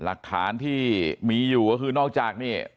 หลักฐานที่มีอยู่ก็คือนอกจากนี่